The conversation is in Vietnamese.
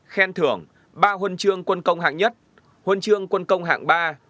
khen thưởng ba huân chương quân công hạng nhất huân chương quân công hạng ba